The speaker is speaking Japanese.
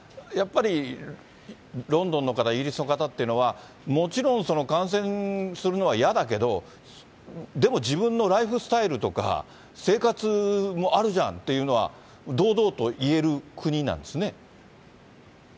やっぱりロンドンの方、イギリスの方っていうのは、もちろん感染するのは嫌だけど、でも自分のライフスタイルとか、生活もあるじゃんっていうのは、堂々と言える国なんですね。